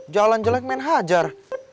jalan jalan main hajar